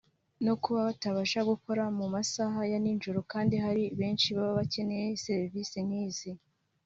no kuba batabasha gukora mu masaha ya nijoro kandi hari benshi baba bakeneye serivise nk’izi